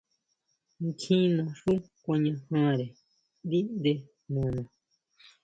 Kjín naxú kuañajare ndíʼnde nana.